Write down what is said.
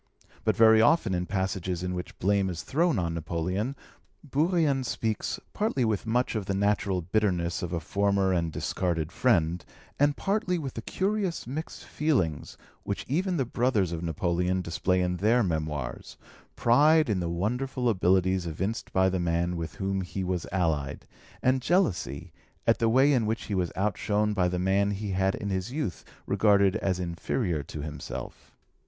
But very often in passages in which blame is thrown on Napoleon, Bourrienne speaks, partly with much of the natural bitterness of a former and discarded friend, and partly with the curious mixed feeling which even the brothers of Napoleon display in their Memoirs, pride in the wonderful abilities evinced by the man with whom he was allied, and jealousy at the way in which he was outshone by the man he had in youth regarded as inferior to himself.